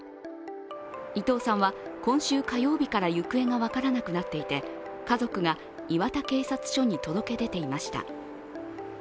伊藤さんは今週火曜日から行方が分からなくなっていて家族が磐田警察署に届け出ていました。